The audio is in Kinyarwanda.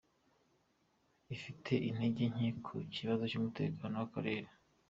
ifite intege nke ku kibazo cy’umutekano mu karere